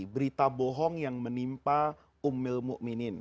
berita bohong yang menimpa umil mu'minin